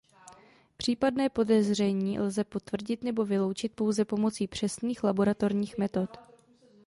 Případné podezření lze potvrdit nebo vyloučit pouze pomocí přesných laboratorních metod.